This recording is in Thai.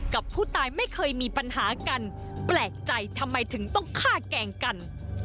กับผู้ตายไม่เคยมีปัญหากันแปลกใจทำไมถึงต้องฆ่าแกล้งกัน